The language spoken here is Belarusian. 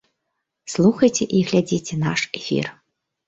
Слухайце і глядзіце наш эфір.